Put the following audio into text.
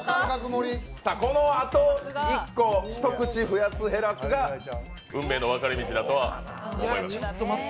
このあと１個、１口増やす減らすが運命の分かれ道だと思います。